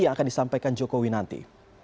yang akan disampaikan jokowi nanti